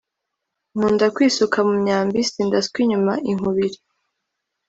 Nkunda kwisuka mu myambi sindaswa inyuma, inkubiri,